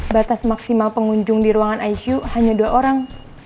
batas maksimal pengunjung di ruangan icu hanya dua orang